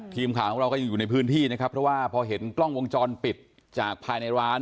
เดิมงานลงไปด้วย